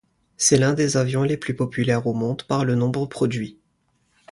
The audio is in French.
C'est l'un des avions les plus populaires au monde par le nombre produit.